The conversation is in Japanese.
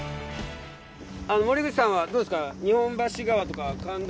森口さんはどうですか？